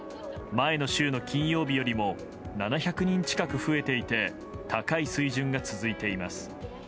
前の週の金曜日よりも７００人近く増えていて高い水準が続いています。